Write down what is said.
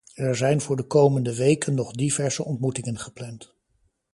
Er zijn voor de komende weken nog diverse ontmoetingen gepland.